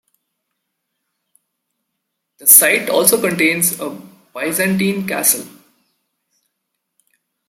The site also contains a Byzantine castle.